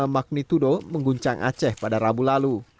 magnitudo mengguncang aceh pada rabu lalu